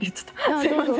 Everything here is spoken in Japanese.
すいません。